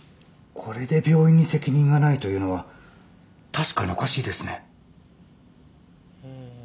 これで病院に責任がないというのは確かにおかしいですね。